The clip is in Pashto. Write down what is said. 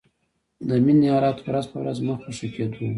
د مينې حالت ورځ په ورځ مخ په ښه کېدو و